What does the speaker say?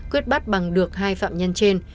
quyết bắt bằng được hai phạm nhân trên